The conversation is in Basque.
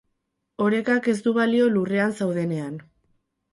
Orekak ez du balio lurrean zaudenean.